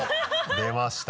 出ました